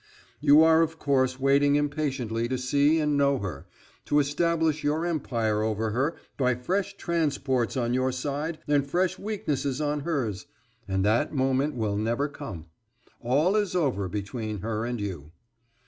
You are of course waiting impatiently to see and know her, to establish your empire over her by fresh transports on your side and fresh weaknesses on hers and that moment will never come. All is over between her and you.